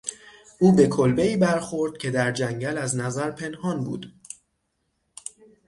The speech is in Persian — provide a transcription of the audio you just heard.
او به کلبهای برخورد که در جنگل از نظر پنهان بود.